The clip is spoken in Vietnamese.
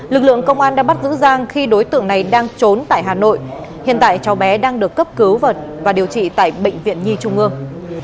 lực lượng công an đã bắt giữ giang khi đối tượng này đang trốn tại hà nội hiện tại cháu bé đang được cấp cứu và điều trị tại bệnh viện nhi trung ương